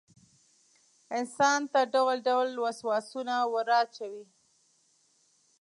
انسان ته ډول ډول وسواسونه وراچوي.